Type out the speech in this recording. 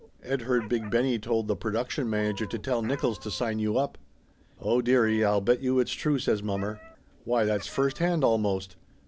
Ed heard Big Benny told tha production manager to tell Nickolls to sign you up." "Oh, dearie, I'll bet you it's true!" says mommer. "Why, that's first hand, almost!